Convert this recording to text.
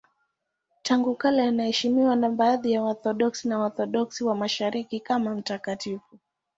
Tangu kale anaheshimiwa na baadhi ya Waorthodoksi na Waorthodoksi wa Mashariki kama mtakatifu.